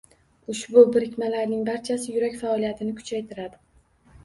Ushbu birikmalarning barchasi yurak faoliyatini kuchaytiradi.